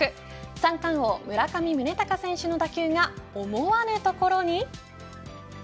三冠王、村上宗隆選手の打球が思わぬ所に。